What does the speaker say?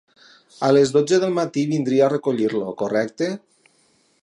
A les dotze del matí vindria a recollir-lo, correcte?